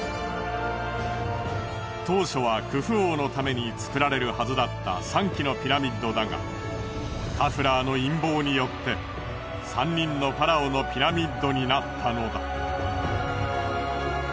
当初はクフ王のために造られるはずだった３基のピラミッドだがカフラーの陰謀によって３人のファラオのピラミッドになったのだ。